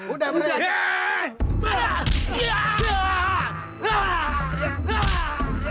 udah berani aja